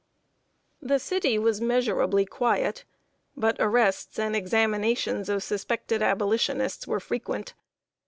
The city was measurably quiet, but arrests, and examinations of suspected Abolitionists, were frequent.